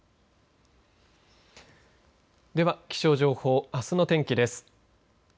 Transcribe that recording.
では、気象情報あすの天気です。